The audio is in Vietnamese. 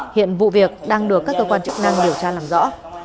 hiện vụ việc đang được các cơ quan chức năng điều tra làm rõ